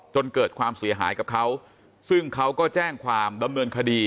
จนเกิดความเสียหายกับเขาซึ่งเขาก็แจ้งความดำเนินคดี